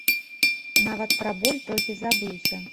Нават пра боль трохі забыўся.